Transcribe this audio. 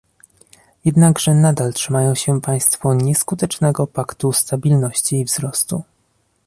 Jednakże nadal trzymają się państwo nieskutecznego paktu stabilności i wzrostu